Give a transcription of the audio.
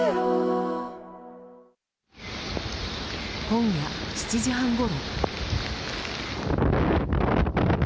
今夜７時半ごろ。